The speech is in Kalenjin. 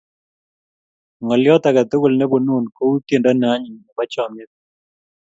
Ng'alyot ake tukul nepunun kou tyendo ne anyiny ne po chomyet.